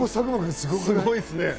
すごいですね。